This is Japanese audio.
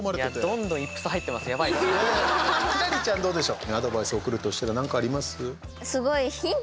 輝星ちゃん、どうでしょう？